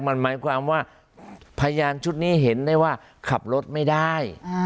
มันหมายความว่าพยานชุดนี้เห็นได้ว่าขับรถไม่ได้